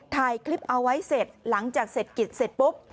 ถ่ายคลิปเอาไว้เสร็จหลังจากเสร็จกิจเสร็จปุ๊บ